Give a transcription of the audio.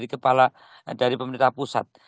kepala dari pemerintah pusat